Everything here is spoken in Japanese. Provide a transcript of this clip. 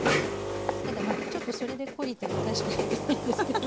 ただまあちょっとそれで懲りて一回しかやってないんですけど。